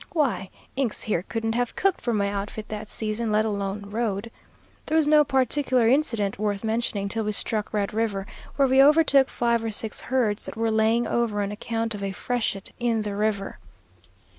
Why, Inks here couldn't have cooked for my outfit that season, let alone rode. There was no particular incident worth mentioning till we struck Red River, where we overtook five or six herds that were laying over on account of a freshet in the river.